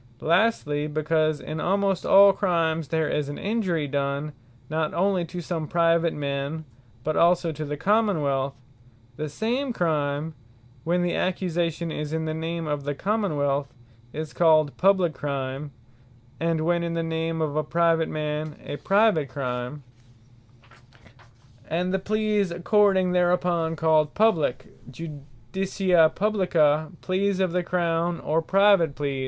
Publique Crimes What Lastly, because in almost all Crimes there is an Injury done, not onely to some Private man, but also to the Common wealth; the same Crime, when the accusation is in the name of the Common wealth, is called Publique Crime; and when in the name of a Private man, a Private Crime; And the Pleas according thereunto called Publique, Judicia Publica, Pleas of the Crown; or Private Pleas.